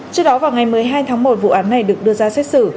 trước đó vào ngày một mươi hai tháng một vụ án này được đưa ra xét xử